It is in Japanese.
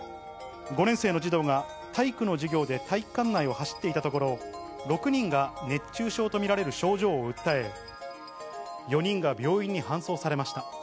５年生の児童が、体育の授業で体育館内を走っていたところ、６人が熱中症と見られる症状を訴え、４人が病院に搬送されました。